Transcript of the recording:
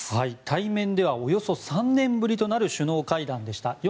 対面ではおよそ３年ぶりとなる首脳会談でした。